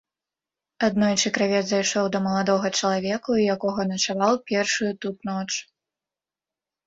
Аднойчы кравец зайшоў да маладога чалавека, у якога начаваў першую тут ноч.